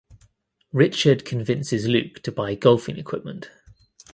Richard convinces Luke to buy golfing equipment.